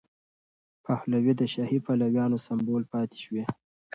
پهلوي د شاهي پلویانو سمبول پاتې شوی.